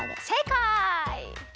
せいかい！